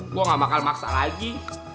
gue gak bakal maksa lagi